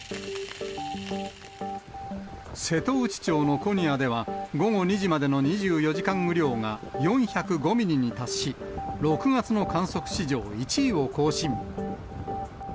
瀬戸内町の古仁屋では、午後２時までの２４時間雨量が４０５ミリに達し、６月の観測史上１位を更新。